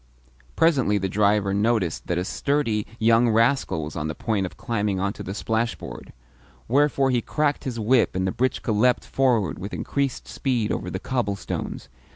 Presently the driver noticed that a sturdy young rascal was on the point of climbing onto the splashboard; wherefore he cracked his whip and the britchka leapt forward with increased speed over the cobblestones.